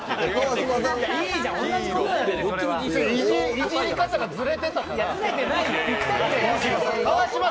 いじり方がずれてたから。